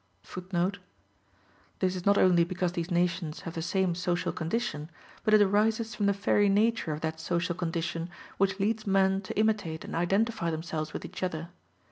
] [Footnote b: This is not only because these nations have the same social condition, but it arises from the very nature of that social condition which leads men to imitate and identify themselves with each other.